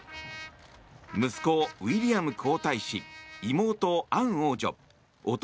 息子ウィリアム皇太子妹アン王女弟